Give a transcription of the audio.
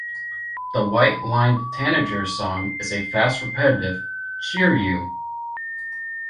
The white-lined tanager's song is a fast repetitive "cheeru".